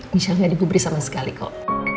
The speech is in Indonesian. michelle ga digubri sama sekali kok